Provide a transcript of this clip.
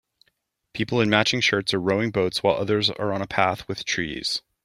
People in matching shirts are rowing boats while others are on a path with trees.